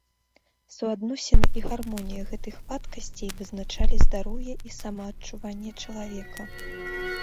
Суадносіны і гармонія гэтых вадкасцей вызначалі здароўе і самаадчуванне чалавека.